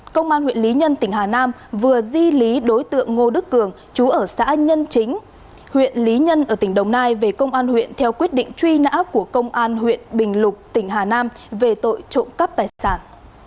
công an huyện lý nhân tỉnh hà nam vừa di lý đối tượng ngô đức cường chú ở xã nhân chính huyện lý nhân ở tỉnh đồng nai về công an huyện theo quyết định truy nã của công an huyện bình lục tỉnh hà nam về tội trộm cắp tài sản